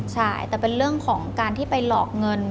ใช่แต่เป็นเรื่องของการที่ไปหลอกเงิน